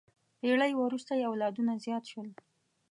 پېړۍ وروسته یې اولادونه زیات شول.